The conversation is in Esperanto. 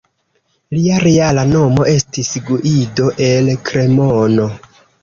Lia reala nomo estis Guido el Kremono.